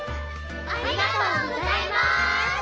ありがとうございます！